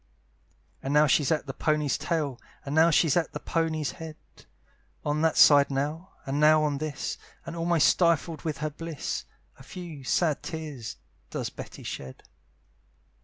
And now she's at the pony's tail, And now she's at the pony's head, On that side now, and now on this, And almost stifled with her bliss, A few sad tears does Betty shed.